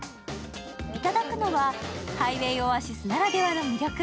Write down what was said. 頂くのは、ハイウェイオアシスならではの魅力。